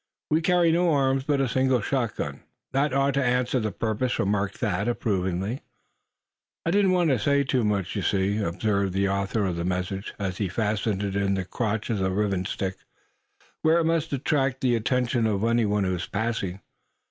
We carry no arms but a single shotgun." "That ought to answer the purpose," remarked Thad, approvingly. "I didn't want to say too much, you see," observed the author of the message, as he fastened it in the crotch of the riven stick, where it must attract the attention of any one passing.